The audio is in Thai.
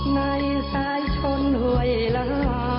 ในสายชนหวยลา